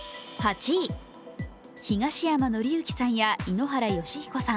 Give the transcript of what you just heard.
東山紀之さんや井ノ原快彦さん